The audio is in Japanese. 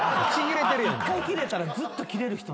１回キレたらずっとキレる人なんや。